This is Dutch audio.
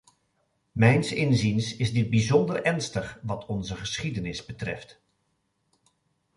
Mijns inziens is dit bijzonder ernstig wat onze geschiedenis betreft.